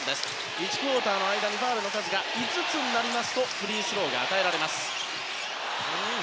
１クオーターの間にファウルの数が５つになるとフリースローが与えられます。